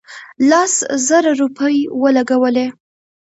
لس زره روپۍ ولګولې.